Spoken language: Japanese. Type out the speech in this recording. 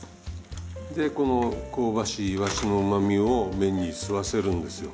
でこの香ばしいイワシのうまみを麺に吸わせるんですよ。